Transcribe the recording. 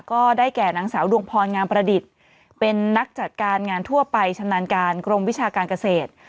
ก็ได้แก่นางสาวดวงพรงามประดิษฐ์เป็นนักจัดการงานทั่วไปชำนาญการกรมวิชาการเกษตร